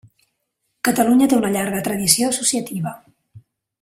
Catalunya té una llarga tradició associativa.